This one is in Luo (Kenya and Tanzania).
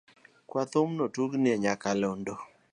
Kwa thumno otugni e nyaka londo.